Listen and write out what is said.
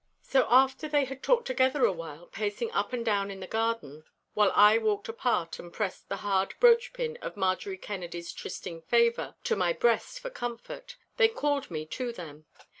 So after they had talked together a while, pacing up and down in the garden (while I walked apart and pressed the hard brooch pin of Marjorie Kennedy's trysting favour to my breast for comfort), they called me to them.